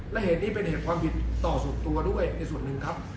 และเหตุนี้เป็นเหตุความผิดต่อส่วนตัวด้วยในส่วนหนึ่งครับ